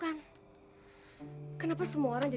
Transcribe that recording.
macem macem mengenai kami